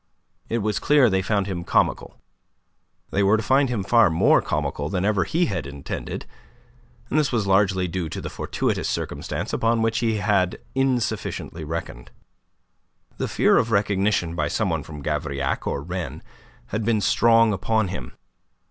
It was clear they found him comical. They were to find him far more comical than ever he had intended, and this was largely due to a fortuitous circumstance upon which he had insufficiently reckoned. The fear of recognition by some one from Gavrillac or Rennes had been strong upon him.